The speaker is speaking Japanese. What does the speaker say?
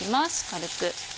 軽く。